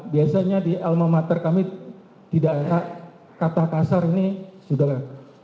biasanya di alma mater kami di daerah katakasar ini sudah